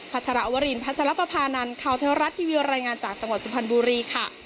ชรวรินพัชรปภานันข่าวเทวรัฐทีวีรายงานจากจังหวัดสุพรรณบุรีค่ะ